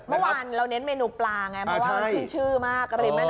เมื่อวานเราเน้นเมนูปลาไงเพราะว่าชื่อมาก